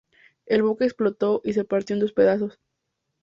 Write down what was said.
El buque explotó y se partió en dos pedazos.